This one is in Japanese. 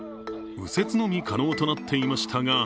右折のみ可能となっていましたが、